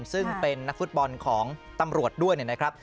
ซึ่งเป็นนักฟุตบอลของตำรวจด้วยนะครับ